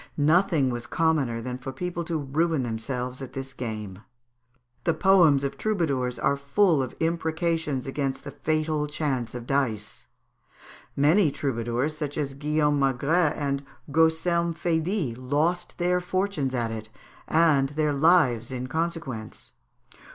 Nothing was commoner than for people to ruin themselves at this game. The poems of troubadours are full of imprecations against the fatal chance of dice; many troubadours, such as Guillaume Magret and Gaucelm Faydit, lost their fortunes at it, and their lives in consequence.